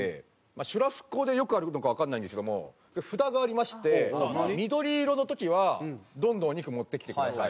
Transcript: シュラスコでよくあるのかわかんないんですけども札がありまして緑色の時は「どんどんお肉持ってきてください」。